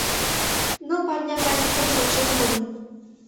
Ныл парня гай ныл шочшем кодын